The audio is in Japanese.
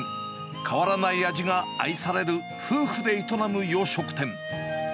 変わらない味が愛される夫婦で営む洋食店。